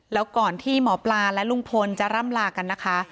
แล้วก่อนที่หมอปลาและลุงพลจะร่ำลากันนะคะ